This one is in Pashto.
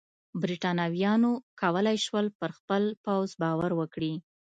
برېټانویانو کولای شول پر خپل پوځ باور وکړي.